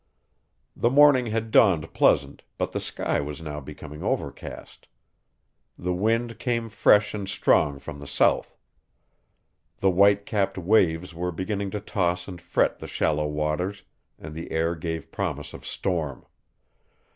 The morning had dawned pleasant, but the sky was now becoming overcast. The wind came fresh and strong from the south. The white capped waves were beginning to toss and fret the shallow waters, and the air gave promise of storm.